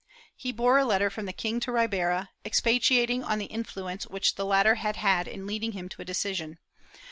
He bore a letter from the king to Ribera, expatiating on the influence which the latter had had in leading him to a decision.